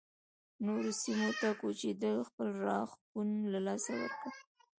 نورو سیمو ته کوچېدو خپل راښکون له لاسه ورکړ